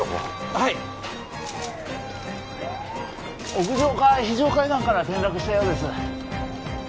・はい屋上か非常階段から転落したようです